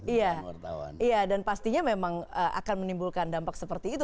iya dan pastinya memang akan menimbulkan dampak seperti itu